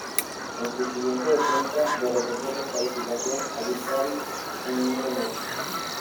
En su siguiente defensa, derrotó por descalificación a Big Daddy V, en No Mercy.